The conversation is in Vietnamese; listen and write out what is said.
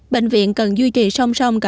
bệnh viện cần duy trì song song cả